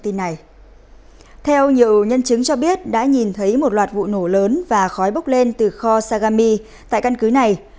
theo nhiều nhân chứng cho biết đã nhìn thấy một loạt vụ nổ lớn và khói bốc lên từ kho sagami tại căn cứ này